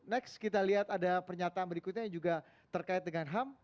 next kita lihat ada pernyataan berikutnya yang juga terkait dengan ham